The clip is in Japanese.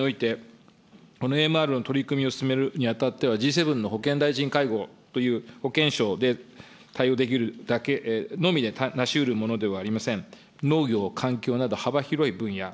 国際社会において、ＡＭＲの取り組みを進めるにあたってはＧ７の保健大臣会合という保健相で対応できるだけのみでなしうるものではありません。